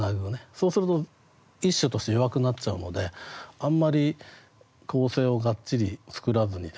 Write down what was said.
そうすると一首として弱くなっちゃうのであんまり構成をがっちり作らずにですね